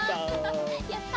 やった！